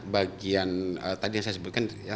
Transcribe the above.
bagian tadi yang saya sebutkan